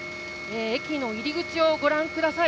駅の入り口をご覧ください。